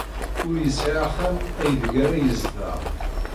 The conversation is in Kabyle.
Ur yesɛi axxam aydeg ara yezdeɣ.